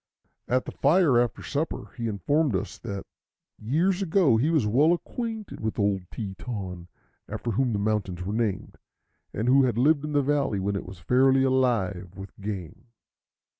At the fire, after supper, he informed us that years ago he was well acquainted with old Teton, after whom the mountains were named, and who had lived in the valley when it was fairly alive with game.